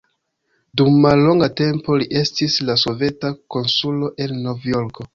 Dum mallonga tempo li estis la soveta konsulo en Novjorko.